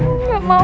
enggak mau pak